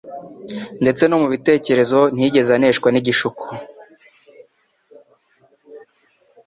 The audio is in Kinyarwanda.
Ndetse no mu bitekerezo ntiyigeze aneshwa n’igishuko.